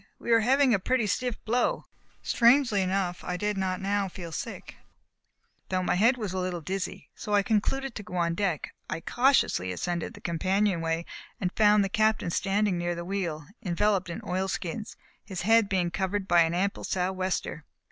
"We are having a pretty stiff blow." Strangely enough, I suppose, I did not now feel sick, though my head was a little dizzy, so I concluded to go on deck. I cautiously ascended the companion way, and found the Captain standing near the wheel, enveloped in oil skins, his head being covered by an ample sou'wester.